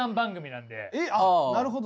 なるほど。